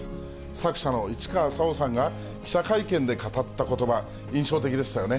作者の市川沙央さんが記者会見で語ったことば、印象的でしたよね。